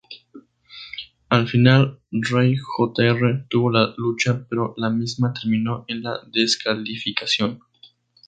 Al final Ray Jr., tuvo la lucha pero la misma terminó en descalificación.